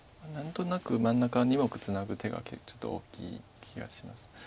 何となく真ん中２目ツナぐ手がちょっと大きい気がします。